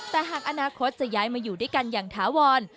แต่หากอนาคตจะย้ายมาอยู่ด้วยกันอย่างถาวร